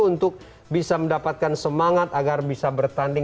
untuk bisa mendapatkan semangat agar bisa bertanding